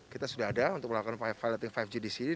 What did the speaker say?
kita sudah ada untuk melakukan filoting lima g di sini